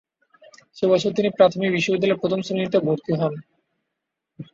সে বছর তিনি প্রাথমিক বিদ্যালয়ে প্রথম শ্রেণিতে ভর্তি হন।